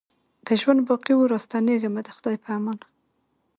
که ژوند باقي وو را ستنېږمه د خدای په امان